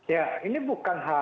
ya ini bukan